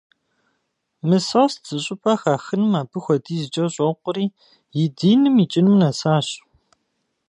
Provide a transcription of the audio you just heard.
Мысост зыщӀыпӀэ хахыным абы хуэдизкӀэ щӀокъури, и диным икӀыным нэсащ.